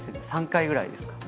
３回くらいですか？